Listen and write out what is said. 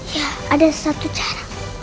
ya ada satu cara